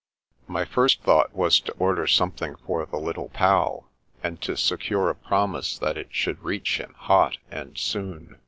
My first thought was to order something for the Little Pal, and to secure a promise that it should reach him hot, and soon.